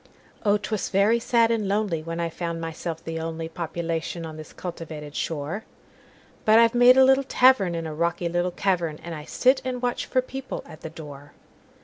Oh! 'twas very sad and lonelyWhen I found myself the onlyPopulation on this cultivated shore; But I've made a little tavernIn a rocky little cavern, And I sit and watch for people at the door.